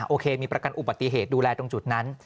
โอเคมีประกันอุบัติเหตุดูแลตรงจุดนั้น